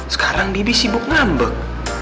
sekarang bibi sibuk ngambek